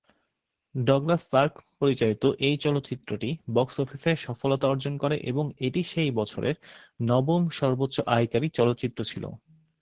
Douglas Sirk পরিচালিত এই চলচ্চিত্রটি বক্স অফিসে সফলতা অর্জন করে এবং এটি সেই বছরের নবম সর্বোচ্চ আয়কারী চলচ্চিত্র ছিল।